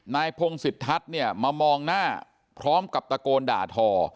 นายพงศิษฐัศนเนี่ยมามองหน้าพร้อมกับตะโกนด่าทอ